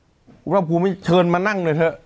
เพราะมีเราพูดเชิญมานั่งหน่อยเถอะ